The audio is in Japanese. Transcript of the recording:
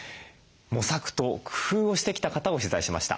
模索と工夫をしてきた方を取材しました。